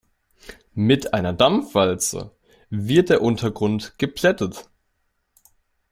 Mit einer Dampfwalze wird der Untergrund geplättet.